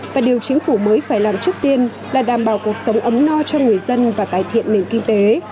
và điều chính phủ mới phải làm trước tiên là đảm bảo cuộc sống ấm no cho người dân và cải thiện nền kinh tế